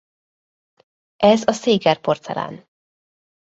Ez a Seger-porcelán.